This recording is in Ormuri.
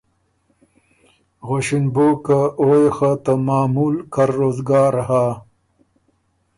غؤݭِن بو که او يې خه ته معمول کر روزګار هۀ۔